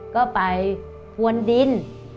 ก็ไปพวนดิน